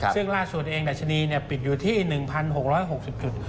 ซึ่งล่าสุดเองดัชนีปิดอยู่ที่๑๖๖๐จุด